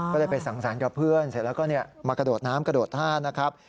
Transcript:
ก็เลยไปสั่งสรรค์กับเพื่อนเสร็จแล้วก็มากระโดดน้ำกระโดดท่านะครับ